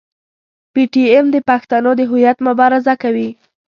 پي ټي ایم د پښتنو د هویت مبارزه کوي.